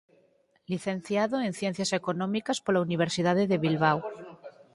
Licenciado en Ciencias Económicas pola Universidade de Bilbao.